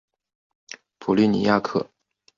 普利尼亚克。